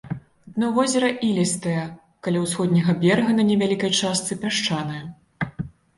Дно возера ілістае, каля ўсходняга берага на невялікай частцы пясчанае.